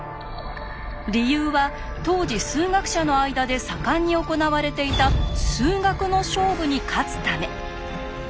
理由は当時数学者の間で盛んに行われていた「数学の勝負」に勝つため。